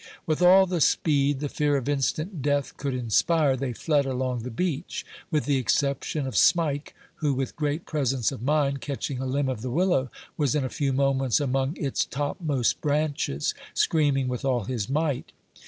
With all the speed the fear of instant death could inspire, they fled along the beach, with the exception of Smike, who, with great presence of mind, catching a limb of the willow, was in a few moments among its topmost branches, screaming with all his might.